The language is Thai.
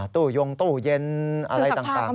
ตู้ยงตู้เย็นอะไรต่าง